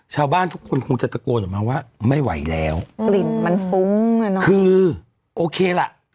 ชาวบ้านทุกคนคงจะตะโกนออกมาว่าไม่ไหวแล้วกลิ่นมันฟุ้งอ่ะเนอะคือโอเคล่ะ